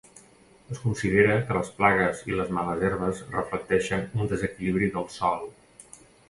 Es considera que les plagues i les males herbes reflecteixen un desequilibri del sòl.